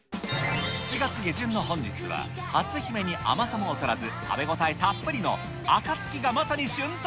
７月下旬の本日は、はつひめに甘さも劣らず食べ応えたっぷりのあかつきがまさに旬と